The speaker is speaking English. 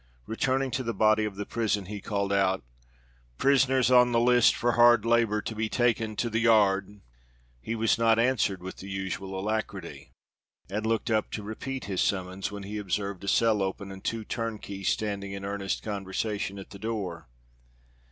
Returning to the body of the prison, he called out, "Prisoners on the list for hard labor to be taken to the yard." He was not answered with the usual alacrity, and looked up to repeat his summons, when he observed a cell open and two turnkeys standing in earnest conversation at the door.